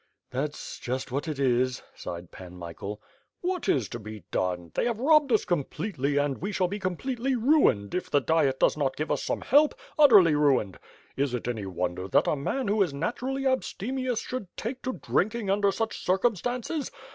"That's just what it is," sighed Pan Michael. "What is to be done! They have robbed us completely and we shall be completely ruined, if the Diet does not give us some help; utterly ruined. Is it any wonder that a man who is naturally abstemious should take to drinking under such circumstances.